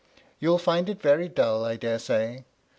"You'll find it very dull, I dare say.